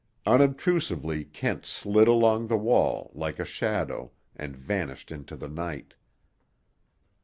Unobtrusively Kent slid along the wall, like a shadow, and vanished into the night.